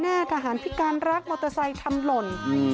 ทหารพิการรักมอเตอร์ไซค์ทำหล่น